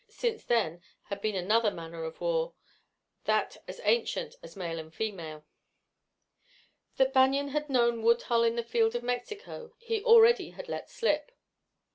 Since then had been another manner of war, that as ancient as male and female. That Banion had known Woodhull in the field in Mexico he already had let slip.